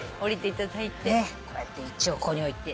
こうやって一応ここに置いて。